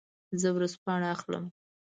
زه ورځپاڼه اخلم.